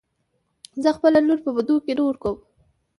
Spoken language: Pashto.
زه خپله لور په بدو کې نه ورکم .